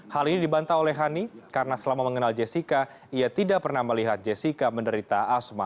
hal ini dibantah oleh hani karena selama mengenal jessica ia tidak pernah melihat jessica menderita asma